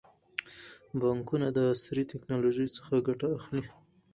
بانکونه د عصري ټکنالوژۍ څخه ګټه اخلي.